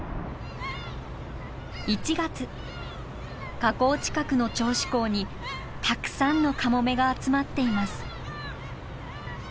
河口近くの銚子港にたくさんのカモメが集まっています。